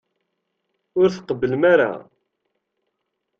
Ur tqebblem ara.